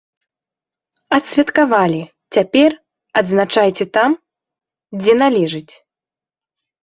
Адсвяткавалі, цяпер, адзначайце там, дзе належыць.